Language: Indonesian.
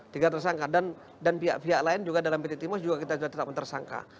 tiga tersangka dan pihak pihak lain juga dalam pt timus juga kita sudah tetapkan tersangka